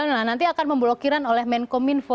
nah nanti akan memblokiran oleh menkominfo